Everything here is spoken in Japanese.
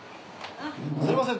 すみません